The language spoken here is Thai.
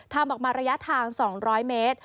ทำออกมาระยะทาง๒๐๐เมตร